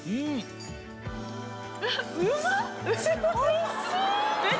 うまっ！